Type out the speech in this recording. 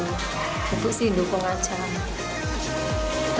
ibu sih dukung aja